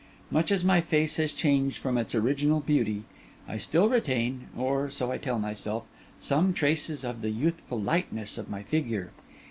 Much as my face has changed from its original beauty, I still retain (or so I tell myself) some traces of the youthful lightness of my figure.